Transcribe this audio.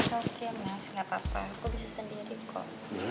oke mas gak apa apa kok bisa sendiri kok